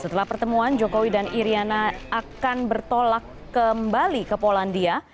setelah pertemuan jokowi dan iryana akan bertolak kembali ke polandia